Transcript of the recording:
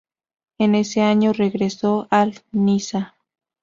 En ese año regresó al Niza.